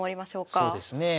そうですね。